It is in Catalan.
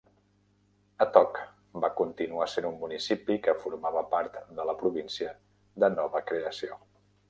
Atok va continuar sent un municipi que formava part de la província de nova creació.